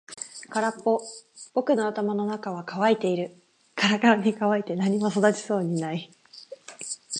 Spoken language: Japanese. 空っぽ。僕の頭の中は乾いている。からからに乾いて何も育ちそうもない。